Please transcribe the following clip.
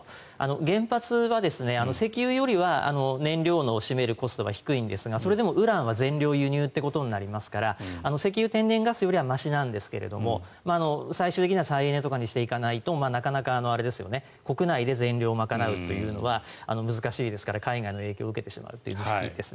原発は石油よりは燃料の占めるコストが低いんですがそれでもウランは全量輸入ってことになりますから石油・天然ガスよりはましなんですが最終的には再エネとかにしていかないとなかなか国内で全量を賄うというのは難しいですから、海外の影響を受けてしまうということですね。